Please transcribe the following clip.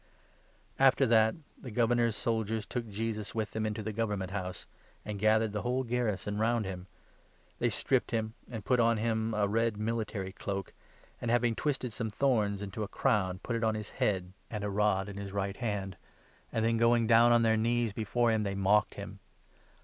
TH« After that, the Governor's soldiers took Jesus with crucifixion them into the Government House, and gathered or JOVUB. tne wnoie garrison round him. They stripped him, and put on him a red military cloak, and, having twisted some thorns into a crown, put it on his head, and a rod in MATTHEW, 27. 97 his right hand, and then, going down on their knees before him, they mocked him.